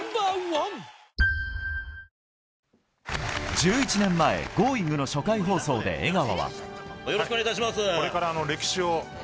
１１年前「Ｇｏｉｎｇ！」の初回放送で江川は。